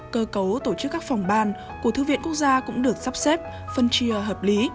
cơ cấu tổ chức các phòng ban của thư viện quốc gia cũng được sắp xếp phân chia hợp lý